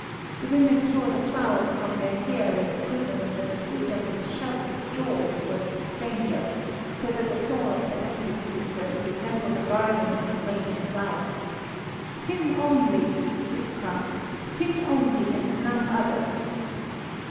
The women tore the flowers from their hair and bosoms and threw them with shouts of joy towards the stranger, so that the floor of the amphitheatre resembled a garden in a rain of flowers. "Him only!" they cried, "him only, and none other!"